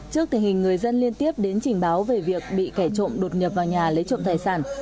trước tình hình người dân liên tiếp đến trình báo về việc bị kẻ trộm đột nhập vào nhà lấy trộm tài sản